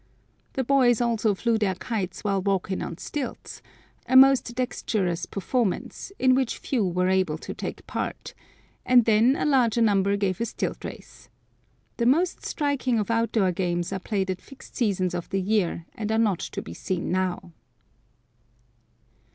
The boys also flew their kites while walking on stilts—a most dexterous performance, in which few were able to take part—and then a larger number gave a stilt race. The most striking out of door games are played at fixed seasons of the year, and are not to be seen now.